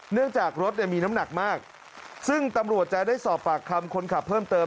เนื่องจากรถเนี่ยมีน้ำหนักมากซึ่งตำรวจจะได้สอบปากคำคนขับเพิ่มเติม